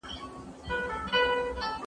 سړي وویل د کاکا زوی دي حاکم دئ